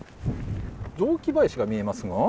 雑木林が見えますが。